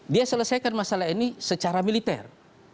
dia selesaikan masalah ini secara militer